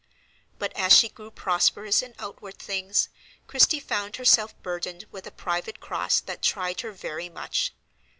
But as she grew prosperous in outward things, Christie found herself burdened with a private cross that tried her very much.